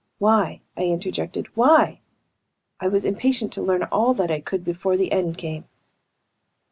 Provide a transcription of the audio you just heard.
"Why?" I interjected. "Why?" I was impatient to learn all that I could before the end came.